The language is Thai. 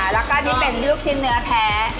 แล้วก็นี่เป็นลูกชิ้นเนื้อแท้